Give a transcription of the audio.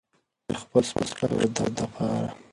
چې د خپل سپک شهرت د پاره